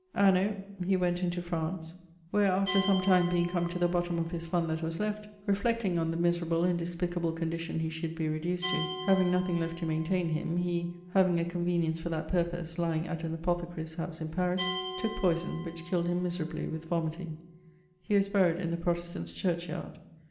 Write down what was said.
Anno ... he went into France, where after some time being come to the bottome of his fund that was left, reflecting on the miserable and despicable condition he should be reduced to, having nothing left to maintaine him, he (having a convenience for that purpose, lyeing at an apothecarie's house, in Paris) tooke poyson, which killed him miserably with vomiting. He was buryed in the Protestants church yard.